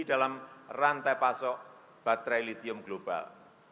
dalam rantai pasok baterai litium global